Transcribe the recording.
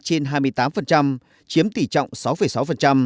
châu mỹ tăng trên hai mươi tám chiếm tỷ trọng sáu sáu chiếm tỷ trọng sáu sáu